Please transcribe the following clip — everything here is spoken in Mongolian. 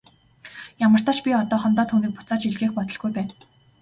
Ямартаа ч би одоохондоо түүнийг буцааж илгээх бодолгүй байна.